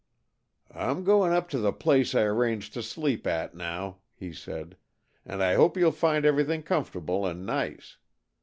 "I'm going up to the place I arranged to sleep at, now," he said, "and I hope you'll find everything comfortable and nice.